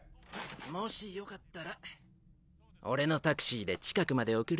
もしよかったら俺のタクシーで近くまで送るよ。